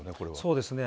そうですね。